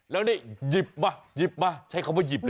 แล้วนี่หยิบมาหยิบมาใช้คำว่าหยิบเลย